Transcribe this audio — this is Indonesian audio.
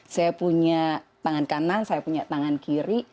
saya punya tangan kanan saya punya tangan kiri